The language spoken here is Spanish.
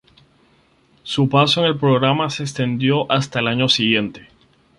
Su paso en el programa se extendió hasta el año siguiente.